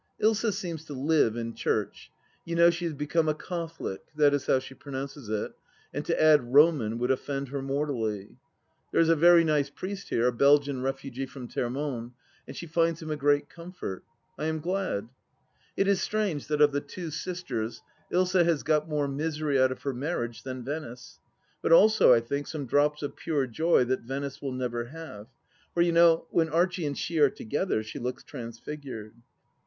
... Ilsa seems to live in church — ^you know she has become a Cartholic — that is how she pronounces it, and to add " Roman " would offend her mortally. There is a very nice priest here — a Belgian refugee from Termonde — and she finds him a great comfort. I am glad. ... It is strange that, of the two sisters, Ilsa has got more misery out of her marriage than Venice, but also, I think, some drops of pure joy that Venice will never have. For, you know, when Archie and she are together, she looks transfigured